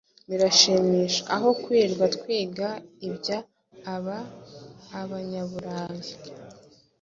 Birashimisha aho kwirirwa twiga ibya aba abanyaburayi